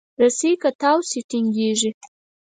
رسۍ که تاو شي، ټینګېږي.